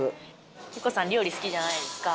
ヒコさん、料理好きじゃないですか。